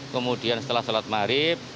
kemudian setelah salat maharib